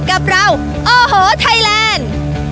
กับเราโอ้โหไทยแลนด์